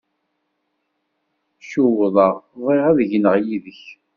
Cewḍeɣ, bɣiɣ ad gneɣ yid-k.